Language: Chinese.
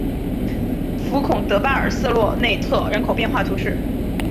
福孔德巴尔瑟洛内特人口变化图示